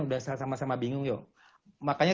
udah sama sama bingung yuk makanya